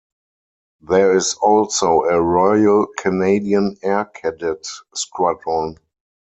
There is also a Royal Canadian Air Cadet Squadron.